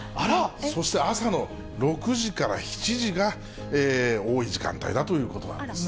そして朝の６時から７時が多い時間帯だということなんですね。